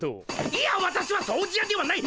いやわたしは「掃除や」ではない！